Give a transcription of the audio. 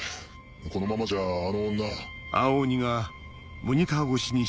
このままじゃあの女。